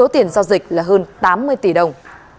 tiền giao dịch là hơn tám mươi tỷ đồng